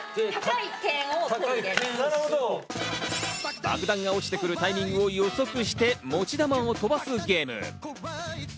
爆弾が落ちてくるタイミングを予測して、持ち玉を飛ばすゲーム。